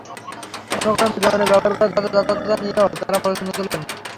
কোনো কোনো বিজ্ঞাপনে ব্যবহার করা তথ্যের যথার্থতা নিয়েও তাঁরা প্রশ্ন তোলেন।